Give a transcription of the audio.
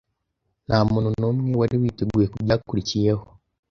Ntamuntu numwe wari witeguye kubyakurikiyeho.